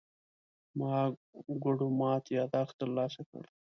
ما ګوډو مات يادښت ترلاسه کړ.